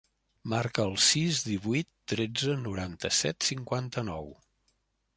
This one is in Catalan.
Marca el sis, divuit, tretze, noranta-set, cinquanta-nou.